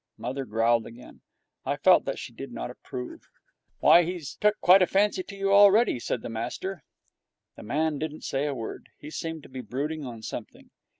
Mother growled again. I felt that she did not approve. 'Why, he's took quite a fancy to you already,' said master. The man didn't say a word. He seemed to be brooding on something.